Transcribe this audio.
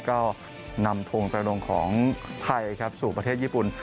ก็นำทงกระดงของไทยครับสู่ประเทศญี่ปุ่น